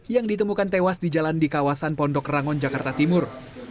yang ditemukan tewas di jalan di kawasan pondok rangon jakarta timur